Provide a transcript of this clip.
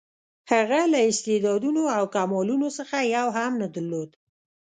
هغه له استعدادونو او کمالونو څخه یو هم نه درلود.